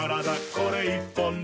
これ１本で」